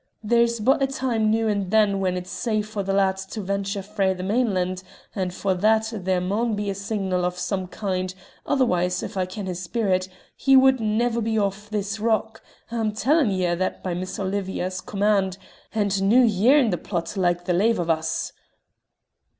There's but ae time noo and then when it's safe for the lad to venture frae the mainland, and for that there maun be a signal o' some kind, otherwise, if I ken his spirit, he wad never be aff this rock. I'm tellin' ye a' that by Mistress Olivia's command, and noo ye're in the plot like the lave of us."